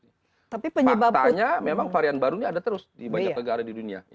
faktanya memang varian baru ini ada terus di banyak negara di dunia